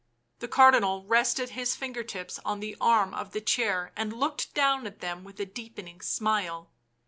The Cardinal rested his finger tips on the arm of the chair, and looked down at them with a deepening smile.